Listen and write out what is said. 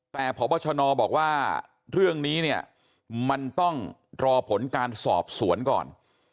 แต่พบชนบอกว่าเรื่องนี้เนี่ยมันต้องรอผลการสอบสวนก่อน